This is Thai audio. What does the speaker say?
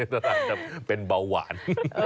ทดเลือดเป็นเบาหวาน